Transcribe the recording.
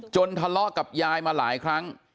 ทะเลาะกับยายมาหลายครั้ง